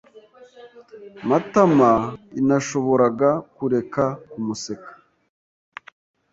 Matamainashoboraga kureka kumuseka.